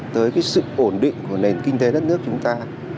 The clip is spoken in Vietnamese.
tới cái sự ổn định của nền kinh tế đất nước chúng ta